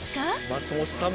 松本さん